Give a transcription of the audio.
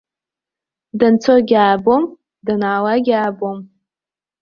Данцогьы аабом, данаауагьы аабом.